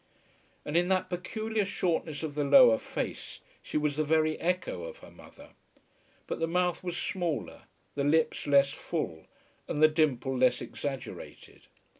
And in that peculiar shortness of the lower face she was the very echo of her mother. But the mouth was smaller, the lips less full, and the dimple less exaggerated.